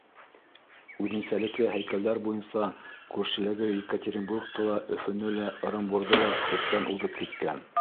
Үҙенсәлекле һәйкәлдәр буйынса күршеләге Екатеринбургты ла, Өфөнө лә, Ырымбурҙы ла күптән уҙып киткән.